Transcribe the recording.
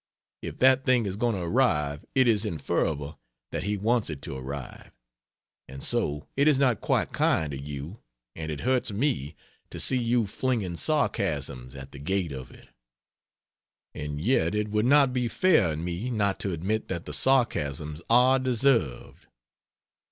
If that thing is going to arrive, it is inferable that He wants it to arrive; and so it is not quite kind of you, and it hurts me, to see you flinging sarcasms at the gait of it. And yet it would not be fair in me not to admit that the sarcasms are deserved.